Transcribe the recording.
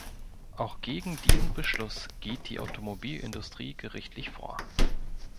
Auch gegen diesen Beschluss geht die Automobilindustrie gerichtlich vor.